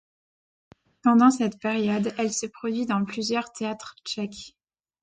Pendant cette période, elle se produit dans plusieurs théâtres tchèques.